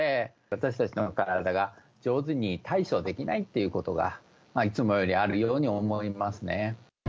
私たちの体が上手に対処できないっていうことが、いつもよりあるように思いますね。